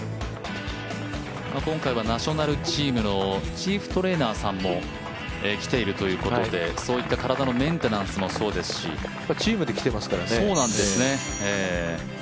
今回はナショナルチームのチーフトレーナーさんもきているということでそういった体のメンテナンスもそうですしチームで来ていますからね。